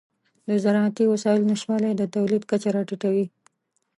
د زراعتي وسایلو نشتوالی د تولید کچه راټیټوي.